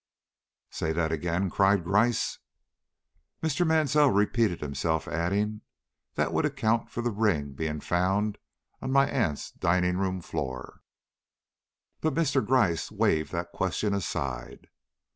"Say that again," cried Gryce. Mr. Mansell repeated himself, adding: "That would account for the ring being found on my aunt's dining room floor " But Mr. Gryce waved that question aside.